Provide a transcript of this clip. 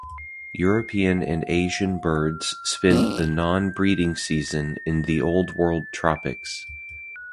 European and Asian birds spend the non-breeding season in the Old World tropics.